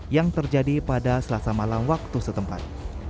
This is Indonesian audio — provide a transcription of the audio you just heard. yang terjadi pada selasa malam waktu setempat